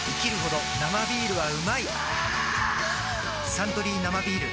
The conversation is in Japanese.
「サントリー生ビール」